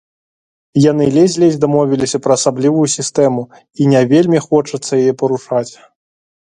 Яны ледзь-ледзь дамовіліся пра асаблівую сістэму, і не вельмі хочацца яе парушаць.